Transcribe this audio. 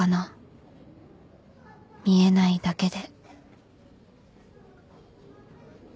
見えないだけで